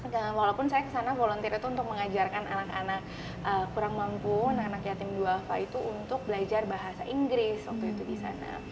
dan walaupun saya ke sana volunteer itu untuk mengajarkan anak anak kurang mampu anak anak yatim di wafa itu untuk belajar bahasa inggris waktu itu di sana